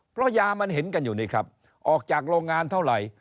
เพราะยามันเห็นกันอยู่นี่ครับออกจากโรงงานเท่าไหร่